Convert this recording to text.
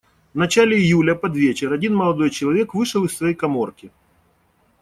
В начале июля, под вечер, один молодой человек вышел из своей каморки.